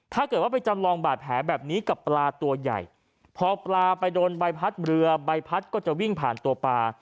ถ้าเกิดว่าไปจำลองบาดแผลแบบนี้กับปลาตัวใหญ่พอปลาไปโดนใบพัดเรือใบพัดก็จะวิ่งผ่านตัวปลา